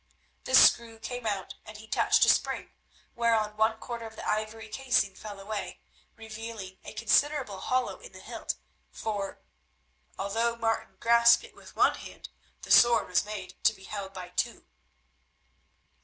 The screw came out, and he touched a spring, whereon one quarter of the ivory casing fell away, revealing a considerable hollow in the hilt, for, although Martin grasped it with one hand, the sword was made to be held by two.